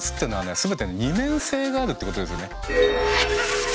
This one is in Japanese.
全て二面性があるってことですよね。